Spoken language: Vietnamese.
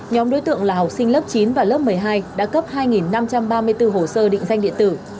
nhóm đối tượng là học sinh lớp chín và lớp một mươi hai đã cấp hai năm trăm ba mươi bốn hồ sơ định danh điện tử